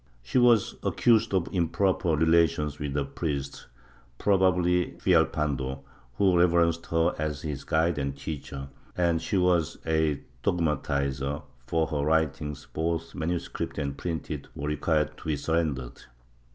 She was accused of improper relations with a priest — probably Villal pando— who reverenced her as his giude and teacher, and she was a dogmatizer, for her writings, both MS. and printed, were required to be surrendered.